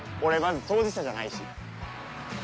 俺まず当事者じゃないし。